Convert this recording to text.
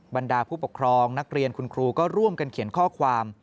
บรรดาผู้ปกครองนักเรียนคุณครูก็ร่วมกันเขียนข้อความ